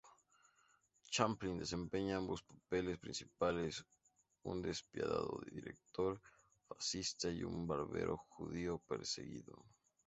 Chaplin desempeña ambos papeles principales: un despiadado dictador fascista, y un barbero judío perseguido.